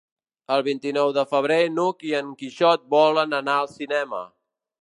El vint-i-nou de febrer n'Hug i en Quixot volen anar al cinema.